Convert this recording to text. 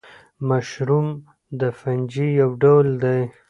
مشروم د فنجي یو ډول دی